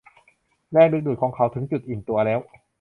แรงดึงดูดของเขาถึงจุดอิ่มตัวแล้ว